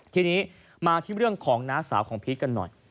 ทีนี้มาที่เรื่องของน้าสาวของพีชกันหน่อย